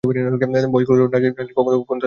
ভয় করছিল, না জানি কখন তাদের উপর তা পড়ে যায়।